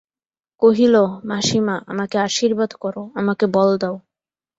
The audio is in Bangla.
কহিল, মাসিমা, আমাকে আশীর্বাদ করো, আমাকে বল দাও।